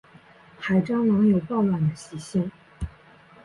海蟑螂有抱卵的习性。